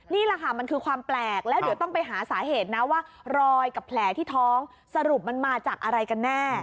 นี่แหละค่ะมันคือความแปลกแล้วเดี๋ยวต้องไปหาสาเหตุนะว่ารอยกับแผลที่ท้องสรุปมันมาจากอะไรกันแน่